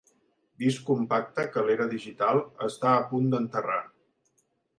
Disc compacte que l'era digital està a punt d'enterrar.